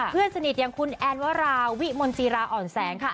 เพื่อนสนิทอย่างคุณแอนวราวิมลจีราอ่อนแสงค่ะ